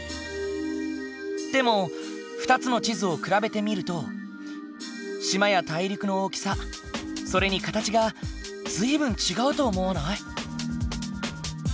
でも２つの地図を比べてみると島や大陸の大きさそれに形が随分違うと思わない？